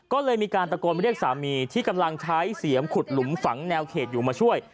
ก็เลยมีการตะโกนเรียกสามีที่กำลังใช้เสียมขุดหลุมฝังแนวเขตอยู่มาช่วย